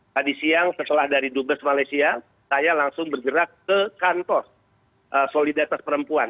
tadi siang setelah dari dubes malaysia saya langsung bergerak ke kantor solidaritas perempuan